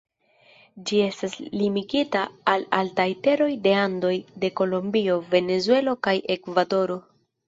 Ĝi estas limigita al altaj teroj de Andoj de Kolombio, Venezuelo kaj Ekvadoro.